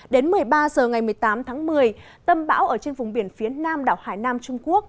đến một mươi ba h ngày một mươi tám tháng một mươi tâm bão ở trên vùng biển phía nam đảo hải nam trung quốc